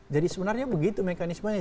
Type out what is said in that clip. jadi sebenarnya begitu mekanismenya